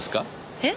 えっ？